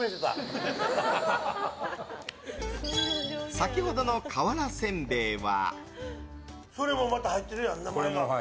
先ほどの瓦せんべいは。